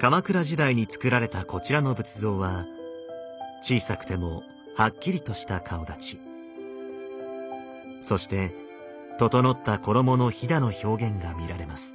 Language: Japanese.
鎌倉時代に造られたこちらの仏像は小さくてもはっきりとした顔だちそして整った衣のひだの表現が見られます。